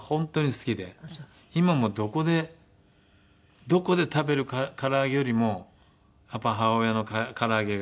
今もどこでどこで食べる唐揚げよりもやっぱり母親の唐揚げが。